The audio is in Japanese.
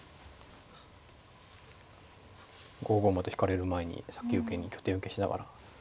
５五馬と引かれる前に先受けに拠点を消しながら。